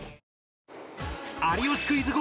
『有吉クイズ』